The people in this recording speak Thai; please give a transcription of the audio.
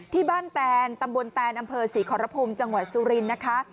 แตนตำบลแตนอำเภอศรีขอรพุมจังหวัดสุรินทร์นะคะ